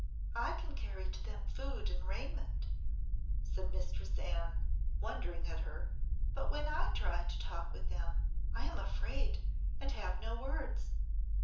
"I can carry to them food and raiment," said Mistress Anne, wondering at her, "but when I try to talk with them I am afraid and have no words.